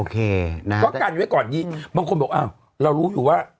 ก็กันไว้ก่อนดีบางคนบอกอ้าวเรารู้อยู่ว่า